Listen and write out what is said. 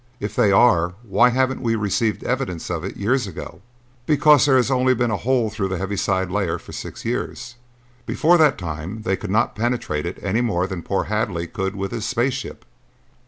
"If they are, why haven't we received evidence of it years ago?" "Because there has only been a hole through the heaviside layer for six years. Before that time they could not penetrate it any more than poor Hadley could with his space ship.